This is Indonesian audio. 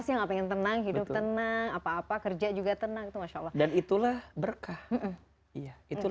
sih nggak pengen tenang hidup tenang apa apa kerja juga tenang itu masya allah dan itulah berkah iya itulah